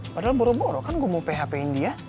padahal boro boro kan gue mau php in dia